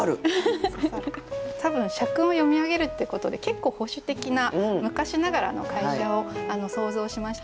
多分「社訓を読みあげる」っていうことで結構保守的な昔ながらの会社を想像しました。